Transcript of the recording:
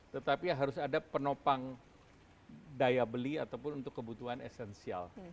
tetapi harus ada penopang daya beli ataupun untuk kebutuhan esensial